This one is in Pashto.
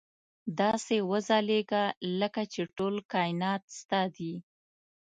داسې وځلېږه لکه چې ټول کاینات ستا دي.